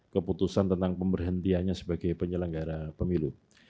keputusan tentang pemberhentiannya sebagai penyelenggara pemilu